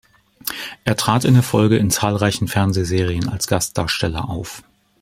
Er trat in der Folge in zahlreichen Fernsehserien als Gastdarsteller auf.